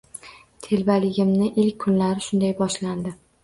Telbaligimning ilk kunlari shunday boshlandi.